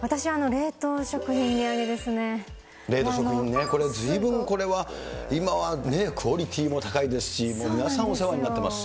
冷凍食品ね、ずいぶんこれは今はね、クオリティーも高いですし、皆さんお世話になってます。